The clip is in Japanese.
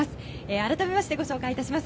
改めてご紹介いたします。